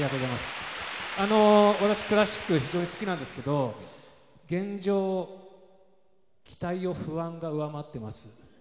私、クラシックが非常に好きなんですけど現状期待を不安が上回っています。